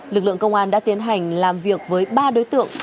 lực lượng công an đã tiến hành làm việc với ba đối tượng